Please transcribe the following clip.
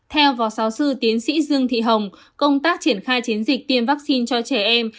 theo phó giáo sư tiến sĩ dương thị hồng công tác triển khai chiến dịch tiêm vaccine cho trẻ em